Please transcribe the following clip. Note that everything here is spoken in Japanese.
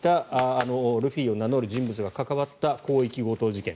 あのルフィを名乗る人物が関わった広域強盗事件。